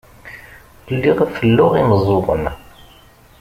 Lliɣ felluɣ imeẓẓuɣen.